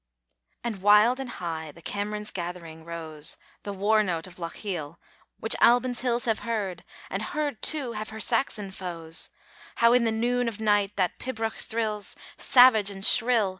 And wild and high the "Cameron's gathering" rose, The war note of Lochiel, which Albyn's hills Have heard, and heard, too, have her Saxon foes: How in the noon of night that pibroch thrills Savage and shrill!